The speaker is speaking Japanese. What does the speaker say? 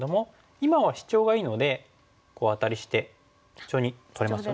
今はシチョウがいいのでアタリしてシチョウに取れますよね。